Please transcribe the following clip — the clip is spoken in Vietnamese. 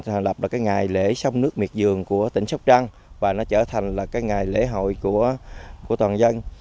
học là cái ngày lễ sông nước miệt dường của tỉnh sóc trăng và nó trở thành là cái ngày lễ hội của toàn dân